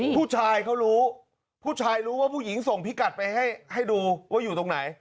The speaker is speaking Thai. ผู้ชายเขารู้ผู้ชายรู้ว่าผู้หญิงส่งพิกัดไปให้ดูว่าอยู่ตรงไหน